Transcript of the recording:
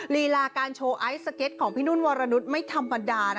ลีลาการโชว์ไอซ์สเก็ตของพี่นุ่นวรนุษย์ไม่ธรรมดา